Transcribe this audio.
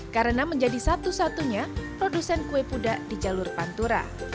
karena menjadi satu satunya produsen kue puda di jalur pantura